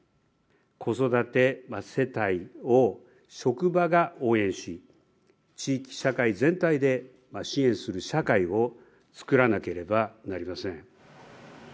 子育て世帯を職場が応援し、地域社会全体で支援する社会を作らなければなりません。